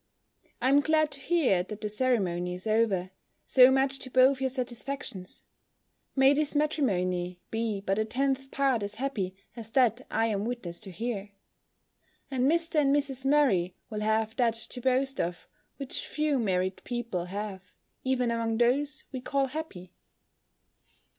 I am glad to hear that the ceremony is over, so much to both your satisfactions: may this matrimony be but a tenth part as happy as that I am witness to here; and Mr. and Mrs. Murray will have that to boast of, which few married people have, even among those we call happy!